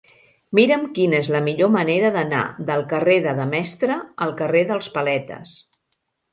Mira'm quina és la millor manera d'anar del carrer de Demestre al carrer dels Paletes.